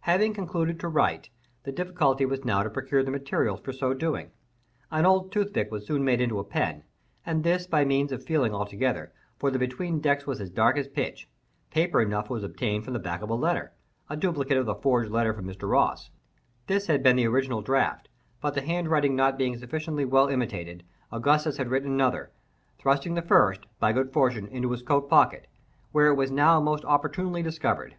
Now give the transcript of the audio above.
Having concluded to write, the difficulty was now to procure the materials for so doing. An old toothpick was soon made into a pen; and this by means of feeling altogether, for the between decks was as dark as pitch. Paper enough was obtained from the back of a letter—a duplicate of the forged letter from Mr. Ross. This had been the original draught; but the handwriting not being sufficiently well imitated, Augustus had written another, thrusting the first, by good fortune, into his coat pocket, where it was now most opportunely discovered.